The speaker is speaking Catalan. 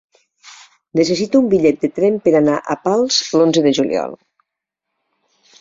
Necessito un bitllet de tren per anar a Pals l'onze de juliol.